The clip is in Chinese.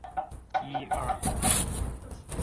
这部电影也改编自他在小联盟的经历。